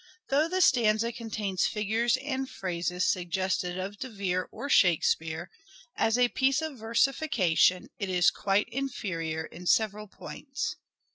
Though the stanza contains figures and phrases suggestive of De Vere or Shakespeare, as a piece of versification it is quite inferior in several points.